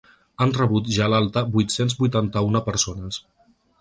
Han rebut ja l’alta vuit-cents vuitanta-una persones.